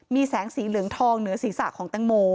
มีแสงสีเหลืองทองเหนือศีรษะของแตงโม